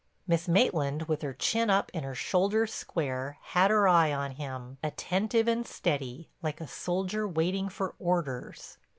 Miss Maitland, with her chin up and her shoulders square, had her eye on him, attentive and steady, like a soldier waiting for orders.